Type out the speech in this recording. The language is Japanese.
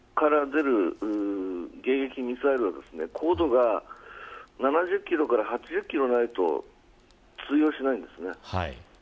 イージス艦から出る迎撃ミサイルの高度が７０キロから８０キロないと通用しません。